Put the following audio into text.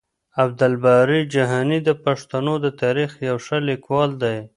عبدالباري جهاني د پښتنو د تاريخ يو ښه ليکوال دی.